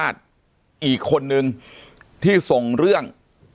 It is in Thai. ที่ส่งเรื่อง